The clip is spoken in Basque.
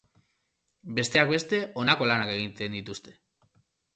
Besteak beste, honako lanak egiten dituzte.